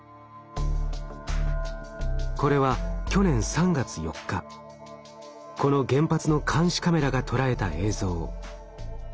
これは去年３月４日この原発の監視カメラが捉えた映像。